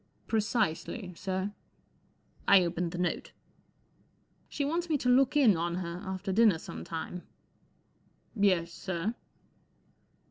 " Precisely, sir." I opened the note. " She wants me to look in on her after dinner some time*" I Yes* sir